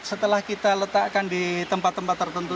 setelah kita letakkan di tempat tempat tertentu